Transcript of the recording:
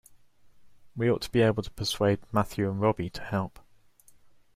We ought to be able to persuade Matthew and Robbie to help.